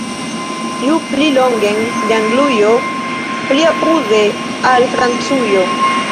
Ju pli longen de Anglujo, pli apude al Francujo!